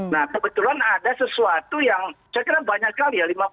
nah kebetulan ada sesuatu yang saya kira banyak sekali ya